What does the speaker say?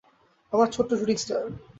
আমার ছোট্ট shooting star!